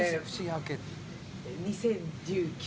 ２０１９。